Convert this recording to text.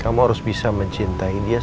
kamu harus bisa mencintai dia